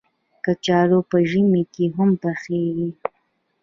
کچالو په ژمي کې هم پخېږي